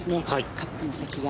カップの先が。